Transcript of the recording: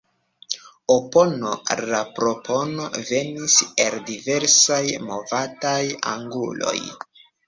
Opono al la propono venis el diversaj movadaj anguloj.